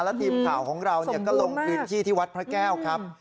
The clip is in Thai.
และทีมข่าวของเราก็ลงพื้นที่ที่วัดพระแก้วครับ